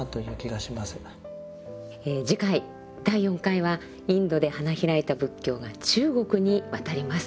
次回第４回はインドで花開いた仏教が中国に渡ります。